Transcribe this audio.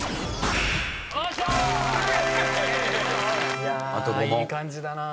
いやいい感じだな。